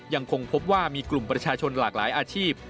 ยังคงพบว่ามีกลุ่มประชาชนหลากหลายอาชีพ